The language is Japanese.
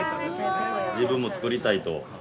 自分も作りたいと。